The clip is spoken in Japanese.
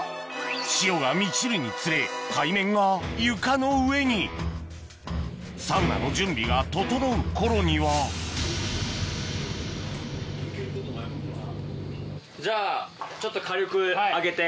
潮が満ちるにつれ海面が床の上にサウナの準備が整う頃にはじゃあちょっと火力上げて。